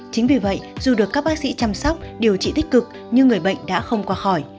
chính vì vậy dù được các bác sĩ chăm sóc điều trị tích cực nhưng người bệnh đã không qua khỏi